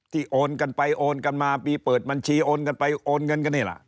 โอนกันไปโอนกันมาปีเปิดบัญชีโอนกันไปโอนเงินกันนี่แหละ